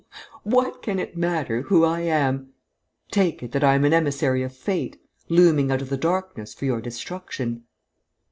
"What can it matter who I am? Take it that I am an emissary of fate, looming out of the darkness for your destruction!"